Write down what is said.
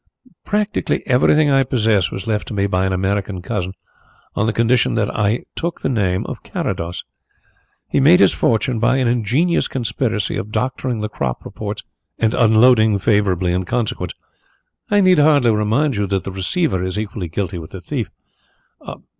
"Practically everything I possess was left to me by an American cousin, on the condition that I took the name of Carrados. He made his fortune by an ingenious conspiracy of doctoring the crop reports and unloading favourably in consequence. And I need hardly remind you that the receiver is equally guilty with the thief."